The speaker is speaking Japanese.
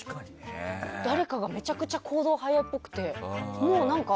誰かがめちゃくちゃ行動早いっぽくて。